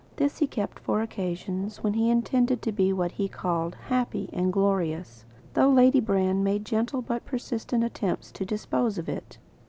This he kept for occasions when he intended to be what he called "happy and glorious," though Lady Brand made gentle but persistent attempts to dispose of it.